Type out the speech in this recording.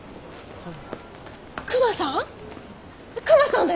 はい。